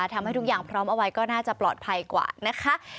ทำให้ทุกอย่างพร้อมเอาไว้ก็น่าจะปลอดภัยกว่านะคะ